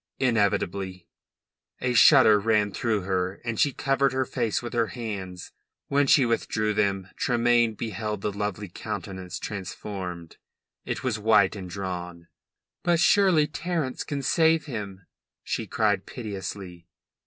"Inevitably." A shudder ran through her, and she covered her face with her hands. When she withdrew then Tremayne beheld the lovely countenance transformed. It was white and drawn. "But surely Terence can save him!" she cried piteously.